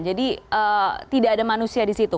jadi tidak ada manusia di situ